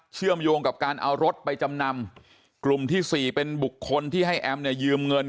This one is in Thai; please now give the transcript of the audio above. เชื่อมโยงกับการเอารถไปจำนำกลุ่มที่สี่เป็นบุคคลที่ให้แอมเนี่ยยืมเงิน